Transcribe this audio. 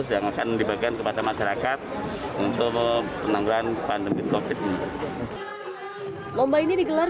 yang akan dibagikan kepada masyarakat untuk penanggulan pandemi covid sembilan belas lomba ini digelar